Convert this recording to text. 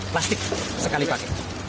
plastik sekali pakai